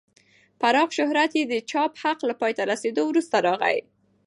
پراخ شهرت یې د چاپ حق له پای ته رسېدو وروسته راغی.